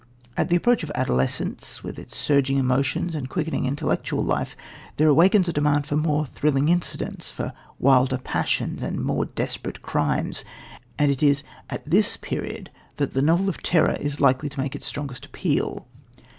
At the approach of adolescence with its surging emotions and quickening intellectual life, there awakens a demand for more thrilling incidents, for wilder passions and more desperate crimes, and it is at this period that the "novel of terror" is likely to make its strongest appeal.